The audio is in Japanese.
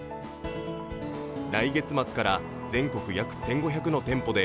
来月末から、全国約１５００の店舗で